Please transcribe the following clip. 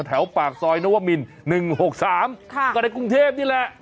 แถวปากซอยนวมิน๑๖๓ก็ในกรุงเทพนี่แหละ